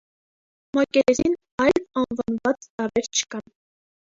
Մակերեսին այլ անվանված տարրեր չկան։